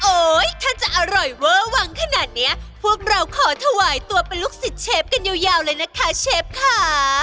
ถ้าจะอร่อยเวอร์วังขนาดเนี้ยพวกเราขอถวายตัวเป็นลูกศิษย์เชฟกันยาวเลยนะคะเชฟค่ะ